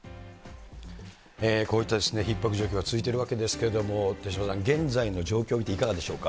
こういったひっ迫状況が続いているわけですけれども、手嶋さん、現在の状況を見て、いかがでしょうか。